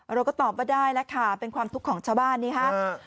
เราก็ตอบว่าได้แล้วค่ะเป็นความทุกข์ของชาวบ้านนี้ครับ